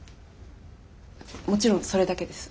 もちろんそれだけです。